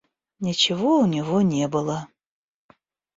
Ничего у него не было.